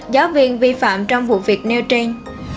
giáo viên vi phạm trong vụ việc nêu trên